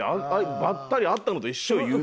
ばったり会ったのと一緒よ有名人と。